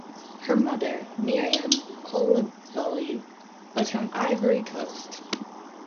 Her mother, Miriam Coulibaly, was from Ivory Coast.